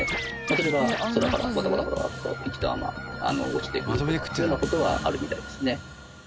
それが空からボタボタボタッと生きたまま落ちてくるというような事はあるみたいですね。